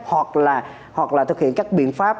hoặc là thực hiện các biện pháp